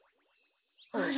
あら。